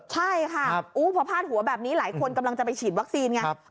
ใช่ค่ะพอพาดหัวแบบนี้หลายคนกำลังจะไปฉีดวัคซีนไง